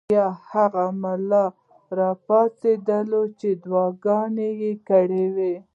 بیا هغه ملا راپاڅېد چې دعاګانې یې کړې وې.